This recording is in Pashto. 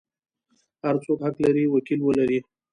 هر څوک حق لري وکیل ولري.